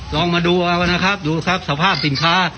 ลองมาดูเอานะครับดูครับสภาพสินค้า